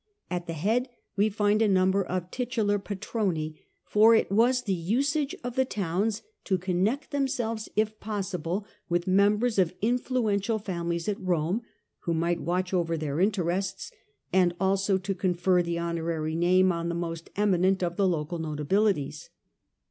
At the head we find a number of titular patroniy for it was the usage of the towns to connect themselves if possible with members of influential families at Rome, who might watch over their interests, and also to confer the honorary name on the most eminent of the local notabilities.